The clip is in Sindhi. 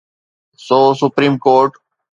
So supreme court.